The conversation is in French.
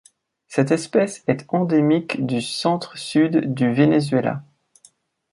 Cette espèce est endémique du centre-sud du Venezuela.